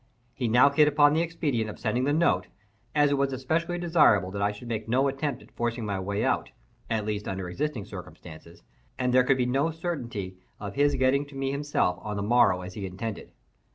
He now hit upon the expedient of sending the note, as it was especially desirable that I should make no attempt at forcing my way out at least under existing circumstances, and there could be no certainty of his getting to me himself on the morrow as he intended.